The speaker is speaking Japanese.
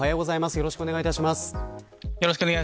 よろしくお願いします。